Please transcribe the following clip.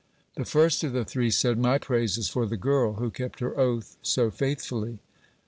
The first of the three said: "My praise is for the girl, who kept her oath so faithfully."